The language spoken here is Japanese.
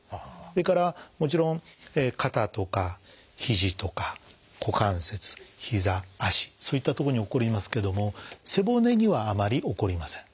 それからもちろん肩とかひじとか股関節ひざ足そういった所に起こりますけども背骨にはあまり起こりません。